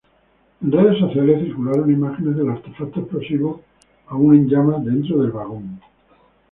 En redes sociales circularon imágenes del artefacto explosivo aún en llamas dentro del vagón.